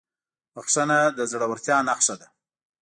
بښنه د زړهورتیا نښه ده.